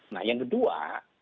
nah yang kedua